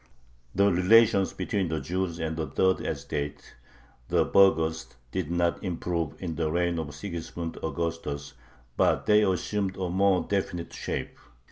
The relations between the Jews and the "third estate," the burghers, did not improve in the reign of Sigismund Augustus, but they assumed a more definite shape.